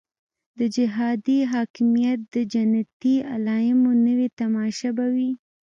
د جهادي حاکمیت د جنتي علایمو نوې تماشه به وي.